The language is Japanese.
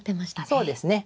そうですね。